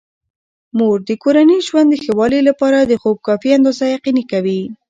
مور د کورني ژوند د ښه والي لپاره د خوب کافي اندازه یقیني کوي.